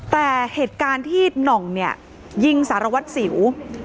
แต่เหตุการณ์ที่หน่องเนี่ยยิงสารวัตรสิว